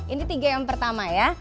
ini tiga yang pertama ya